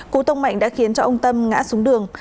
cú tông mạnh đã khiến ông tâm ngã xuống đường